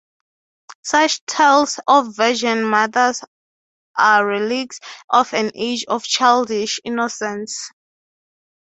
Such tales of virgin mothers are relics of an age of childish innocence.